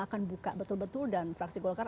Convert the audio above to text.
akan buka betul betul dan fraksi golkar